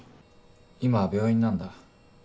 今病院なんだ。